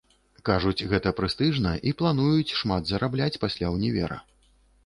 Кажуць, гэта прэстыжна, і плануюць шмат зарабляць пасля ўнівера.